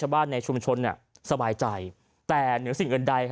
บ้านในชุมชนสบายใจแต่เหนือสิ่งอื่นใด